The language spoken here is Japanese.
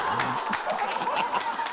ハハハハ！